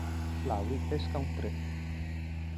Lauri pesca un tre.